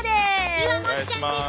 岩もっちゃんです。